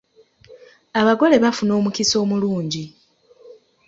Abagole bafuna omukisa omulungi.